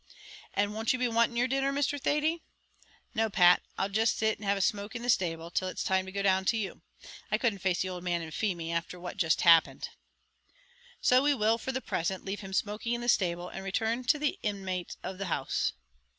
"And won't you be wanting your dinner, Mr. Thady?" "No, Pat; I'll jist sit and have a smoke in the stable, till it's time to go down to you. I couldn't face the owld man and Feemy, afther what jist happened." So we will for the present leave him smoking in the stable, and return to the inmates of the house.